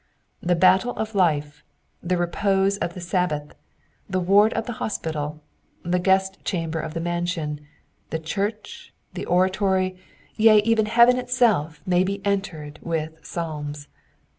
The battle of life, the repose of the Sabbath, the ward of the hospital, the g^est chamber of the mansion, the church, the oratory, yea, even heaven itself may be entered with psalms.